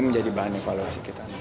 menjadi bahan evaluasi kita